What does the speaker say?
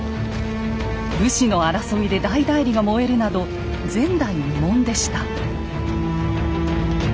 武士の争いで大内裏が燃えるなど前代未聞でした。